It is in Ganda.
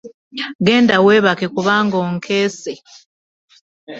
Genda webaake kubanga onkesse.